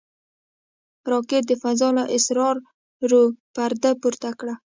راکټ د فضا له اسرارو پرده پورته کړه